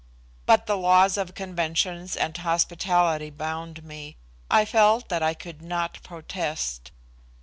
But the laws of conventions and hospitality bound me. I felt that I could not protest.